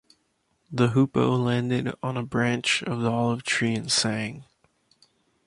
The hoopoe landed on a branch of the olive tree and sang.